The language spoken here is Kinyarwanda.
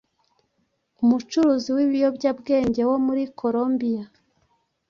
Umucuruzi w'ibiyobyabwenge wo muri Colombia